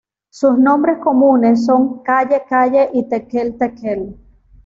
Sus nombres comunes son calle-calle y tequel-tequel.